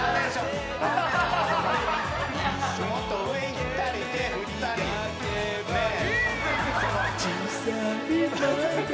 もっと上いったり手振ったりねえ。